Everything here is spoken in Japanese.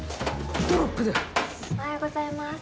おはようございます。